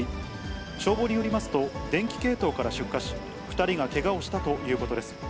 消防によりますと、電気系統から出火し、２人がけがをしたということです。